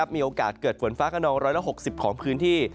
มีโอกาสเกิดฝนฟ้าขนอง๑๖๐ของพื้นที่